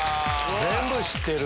全部知ってる。